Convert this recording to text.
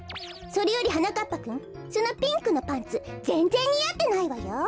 それよりはなかっぱくんそのピンクのパンツぜんぜんにあってないわよ。